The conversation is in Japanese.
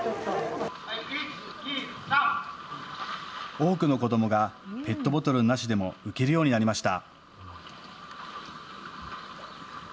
多くの子どもがペットボトルなしでも浮けるようになりました。